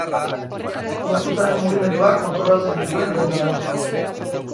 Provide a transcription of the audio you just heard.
Gorputzaren mugimenduak kontrolatzen dituen ehuna da.